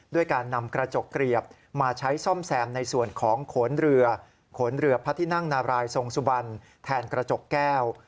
ด้วยการนำกระจกเกลียบมาใช้ซ่อมแซมในส่วนของโขนเรือขนเรือพระที่นั่งนารายทรงสุบันแทนกระจกแก้ว